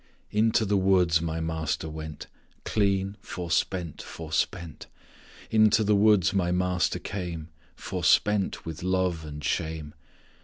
"Into the woods my Master went Clean forspent, forspent; Into the woods my Master came Forspent with love and shame.